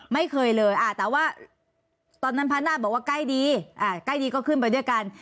ไม่เคยเลยแต่ว่าตอนนั้นพระนาฏบอกว่าใกล้ดีใกล้ดีก็ขึ้นไปด้วยกัน